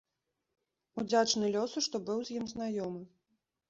Удзячны лёсу, што быў з ім знаёмы.